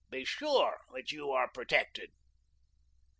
Be sure that you are protected."